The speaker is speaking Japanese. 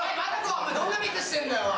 お前どんなミスしてんだよおい。